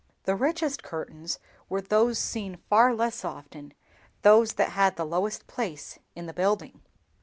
The richest curtains were those seen far less often, those that had the lowest place in the building.